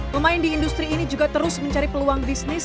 pemain di industri ini juga terus mencari peluang bisnis